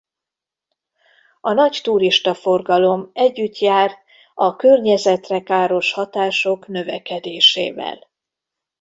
A nagy turistaforgalom együtt jár a környezetre káros hatások növekedésével.